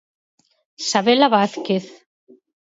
Sabela Vázquez.